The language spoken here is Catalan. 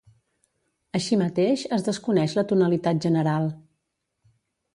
Així mateix, es desconeix la tonalitat general.